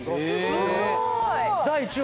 すごーい！